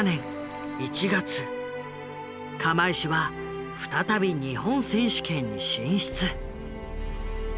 釜石は再び日本選手権に進出。